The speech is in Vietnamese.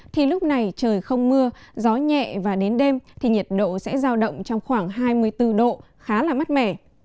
thì lúc này trời không mưa gió nhẹ và đến đêm thì nhiệt độ sẽ giao động trong khoảng hai mươi bốn độ khá là mát mẻ